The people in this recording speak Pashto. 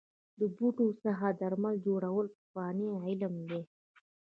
د بوټو څخه د درملو جوړول پخوانی علم دی.